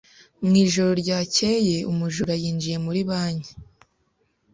Mu ijoro ryakeye, umujura yinjiye muri banki.